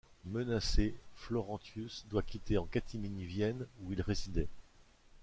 Menacé, Florentius doit quitter en catimini Vienne où il résidait.